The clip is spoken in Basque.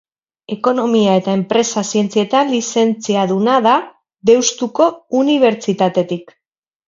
Ekonomia eta enpresa zientzietan lizentziaduna da Deustuko Unibertsitatetik.